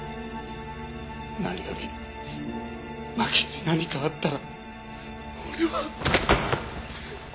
何より麻紀に何かあったら俺は。